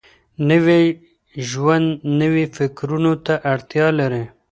نوی ژوند نويو فکرونو ته اړتيا لري.